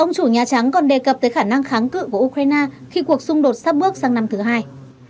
ông chủ nhà trắng còn đề cập tới khả năng kháng cự của ukraine khi cuộc xung đột sắp bước sang năm thứ hai